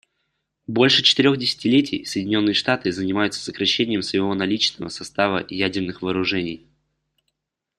Больше четырех десятилетий Соединенные Штаты занимаются сокращением своего наличного состава ядерных вооружений.